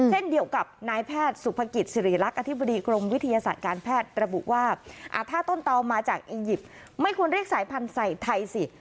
เช่นเดียวกับนายแพทย์สุภกิจสิริรักษ์อธิบดีกรมวิทยาศาสตร์การแพทย์ระบุว่าถ้าต้นเตามาจากอียิปต์ไม่ควรเรียกสายพันธุ์ใส่ไทยสิ